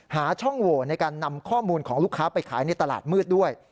หาช่องโหวในการนำข้อมูลของลูกค้าไปขายในตลาดมืดด้วย